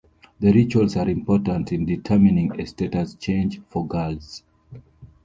The rituals are important in determining a status change for girls.